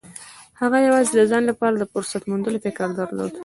هغه يوازې د ځان لپاره د فرصت موندلو فکر درلود.